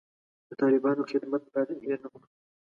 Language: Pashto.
د طالبانو خدمت باید هیر نه کړو.